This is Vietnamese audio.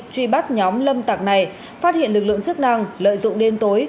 truy bắt nhóm lâm tạc này phát hiện lực lượng chức năng lợi dụng đen tối